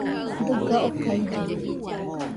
Dɨga okaina.